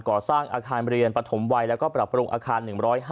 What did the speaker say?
ก่อสร้างอาคารเรียนปฐมวัยแล้วก็ปรับปรุงอาคาร๑๕